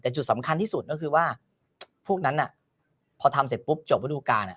แต่จุดสำคัญที่สุดก็คือว่าพวกนั้นพอทำเสร็จปุ๊บจบฤดูการ